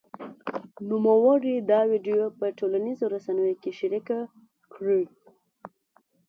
نوموړي دا ویډیو په ټولنیزو رسنیو کې شرېکه کړې